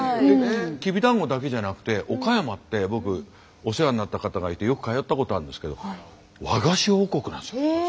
きびだんごだけじゃなくて岡山って僕お世話になった方がいてよく通ったことあるんですけどへえ。